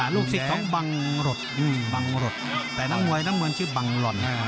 ลูกศิษย์ของบางรดแต่น้ำเงินน้ำเงินชื่อบางรอน